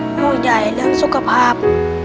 โจ้ใหญ่แล้วสุขภาพ